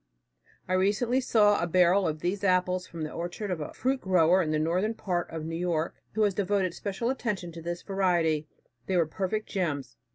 I recently saw a barrel of these apples from the orchard of a fruit grower in the northern part of New York, who has devoted special attention to this variety. They were perfect gems.